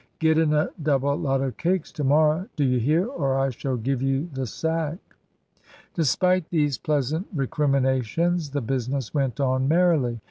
Get in a double lot of cakes to morrow, do you hear, or I shall give you the sack." Despite these pleasant recriminations the business went on merrily.